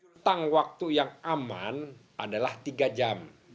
tentang waktu yang aman adalah tiga jam